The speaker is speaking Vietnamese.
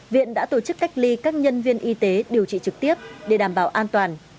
viện đã tổ chức cách ly các nhân viên y tế điều trị trực tiếp để đảm bảo an toàn